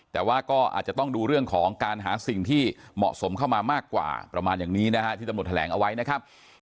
แต่ว่าก็อาจจะต้องดูเรื่องของการหาสิ่งที่เหมาะสมเข้ามามากกว่าประมาณอย่างนี้นะฮะที่ตำรวจแถลงเอาไว้นะครับ